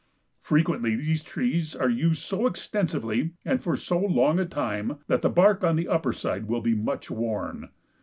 Frequently these trees are used so extensively and for so long a time that the bark on the upper side will be much worn.